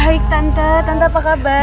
baik tante tante apa kabar